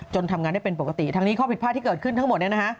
ทำงานได้เป็นปกติทั้งนี้ข้อผิดพลาดที่เกิดขึ้นทั้งหมด